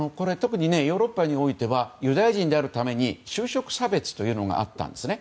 ヨーロッパにおいてはユダヤ人であるために就職差別というのがあったんです。